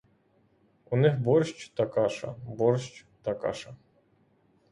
У них борщ та каша, борщ та каша.